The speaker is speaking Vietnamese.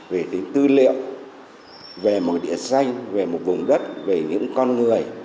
về cái tư liệu về một địa danh về một vùng đất về những con người